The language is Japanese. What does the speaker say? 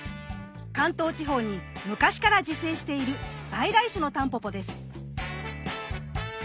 関東地方に昔から自生している在来種のタンポポです。